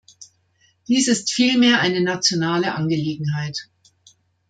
Dies ist vielmehr eine nationale Angelegenheit.